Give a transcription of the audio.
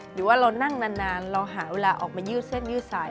หรือว่าเรานั่งนานเราหาเวลาออกมายืดเส้นยืดสาย